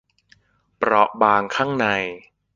เปราะบางข้างใน